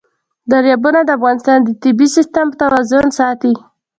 دریابونه د افغانستان د طبعي سیسټم توازن ساتي.